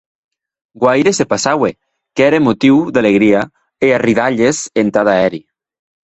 Guaire se passaue, qu’ère motiu d’alegria e arridalhes entada eri.